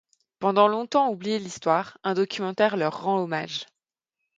Pendant longtemps oubliées de l'histoire, un documentaire leur rend hommage.